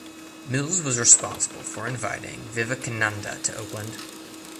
Mills was responsible for inviting Vivekananda to Oakland.